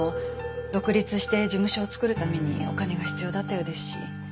独立して事務所を作るためにお金が必要だったようですし。